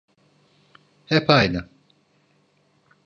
Hep aynı.